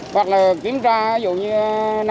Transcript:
hoặc là kiểm tra ví dụ như năm coi năm đồ